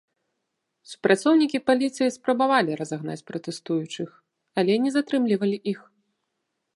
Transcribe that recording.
Супрацоўнікі паліцыі спрабавалі разагнаць пратэстуючых, але не затрымлівалі іх.